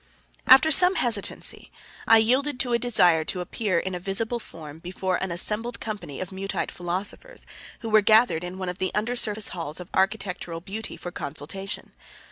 After some hesitancy, I yielded to a desire to appear in a visible form before an assembled company of Muteite philosophers who were gathered in one of the under surface halls of architectural beauty for consultation.